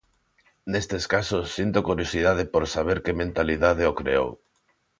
Nestes casos, sinto curiosidade por saber que mentalidade o creou.